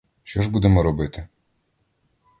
Що ж будемо робити?